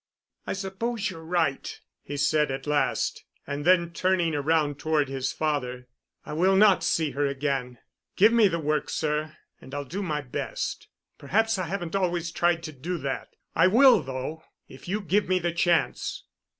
"I suppose you're right," he said at last. And then, turning around toward his father, "I will not see her again. Give me the work, sir, and I'll do my best. Perhaps I haven't always tried to do that. I will, though, if you give me the chance."